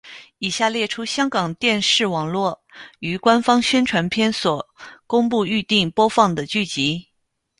以下列出香港电视网络于官方宣传片所公布预定播放的剧集。